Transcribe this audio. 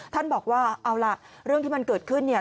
ท่านบอกว่าเอาล่ะเรื่องที่มันเกิดขึ้นเนี่ย